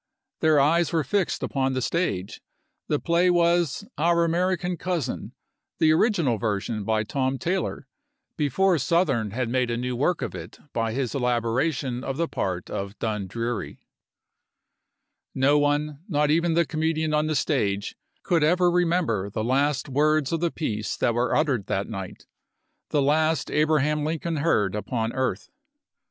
Their eyes were fixed upon the stage; the play was "Our American Cousin," the original version by Tom Taylor, before Sothern had made a new work of it by his elaboration of the part of Dundreary. No one, not even the comedian on the stage, could ever remember the last words of the piece that were uttered that night — the last Abraham THE FOURTEENTH OF APRIL 295 Lincoln heard upon earth.